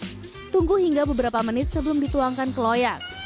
setelah mendidih tunggu hingga beberapa menit sebelum dituangkan ke loyang